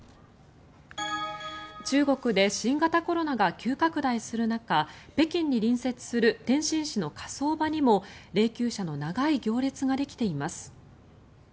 中国で新型コロナが急拡大する中北京に隣接する天津市の火葬場にも霊きゅう車の長い行列ができています。